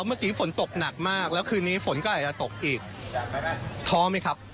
เมื่อกี้ฝนตกหนักมากแล้วคืนนี้ฝนก็อาจจะตกอีกท้อไหมครับ